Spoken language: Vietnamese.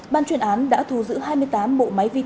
ban chuyển án đã thu giữ hai mươi tám mụ máy vi tử